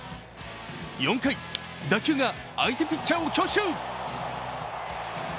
４回、打球が相手ピッチャーを強襲。